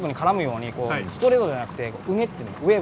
เป็นแบบของเจน